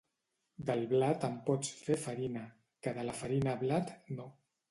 Del blat en pots fer farina; que de la farina blat, no.